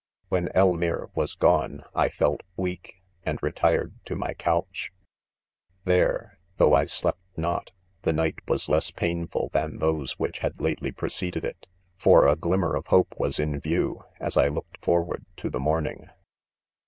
4 When Elmire was gone, I felt weak, and Retired to my couch, ^ there, though I slept not, the night, was. less, painful than those which had lately preceded it 3 for a glimmer of hope was in view, as I looked forward to the morning.